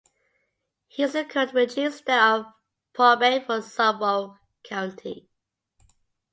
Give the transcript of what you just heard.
He is the current Register of Probate for Suffolk County.